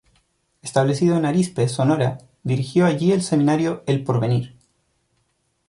Establecido en Arizpe, Sonora, dirigió allí el seminario "El porvenir.